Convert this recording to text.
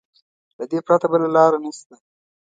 له دې پرته بله لاره نشته.